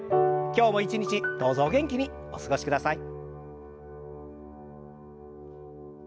今日も一日どうぞお元気にお過ごしください。